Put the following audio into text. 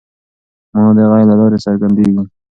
مانا د غږ له لارې څرګنديږي.